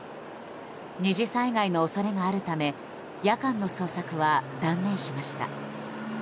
２次災害の恐れがあるため夜間の捜索は断念しました。